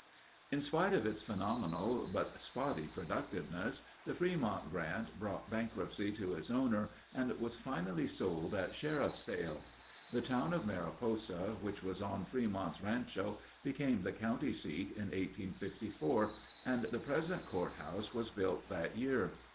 In spite of its phenomenal but spotty productiveness, the Frémont Grant brought bankruptcy to its owner and was finally sold at sheriff sale. The town of Mariposa, which was on Frémont's Rancho, became the county seat in 1854, and the present court house was built that year.